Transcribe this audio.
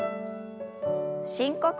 深呼吸。